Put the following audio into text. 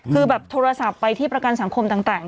คือแบบโทรศัพท์ไปที่ประกันสังคมต่าง